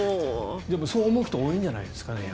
でも、そう思う人多いんじゃないですかね。